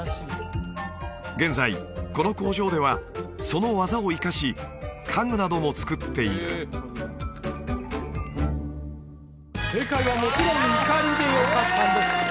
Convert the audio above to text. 現在この工場ではその技を生かし家具なども作っている正解はもちろん「錨」でよかったんです